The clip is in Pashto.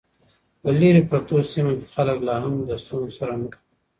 په لیرې پرتو سیمو کې خلک لا هم له ستونزو سره مخ دي.